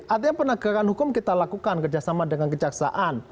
artinya penegakan hukum kita lakukan kerjasama dengan kejaksaan